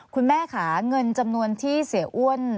คุณแม่ค่ะเงินจำนวนที่เสียอ้วน